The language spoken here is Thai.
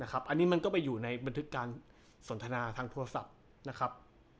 อันนี้มันก็ไปอยู่ในบันทึกการสนทนาทางโทรศัพท์นะครับ